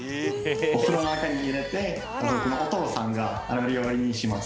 お風呂の中に入れて家族のお父さんがお料理します。